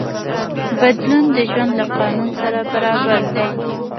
بدلون د ژوند له قانون سره برابر دی.